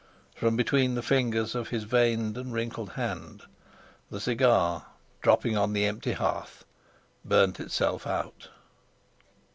From between the fingers of his veined and wrinkled hand the cigar, dropping on the empty hearth, burned itself out.